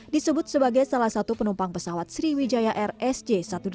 disebut sebagai salah satu penumpang pesawat sriwijaya rsj satu ratus delapan puluh